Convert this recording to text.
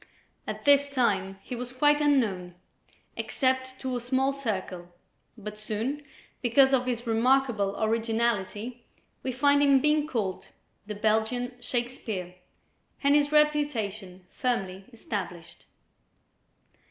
At this time he was quite unknown, except to a small circle, but soon, because of his remarkable originality, we find him being called "The Belgian Shakespeare," and his reputation firmly established.